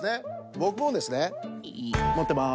ボクもですねもってます。